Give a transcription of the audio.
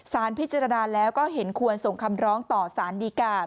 สารพิจารณาแล้วก็เห็นควรส่งคำร้องต่อสารดีกา